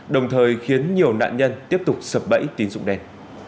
đồng thời khiến nhiều nạn nhân tiếp tục sập bẫy tín dụng đen